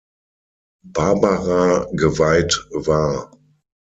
Barbara geweiht war.